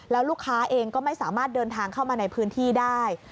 แล้วลูกค้าเองก็ไม่สามารถเดินทางเข้ามาในพื้นที่ได้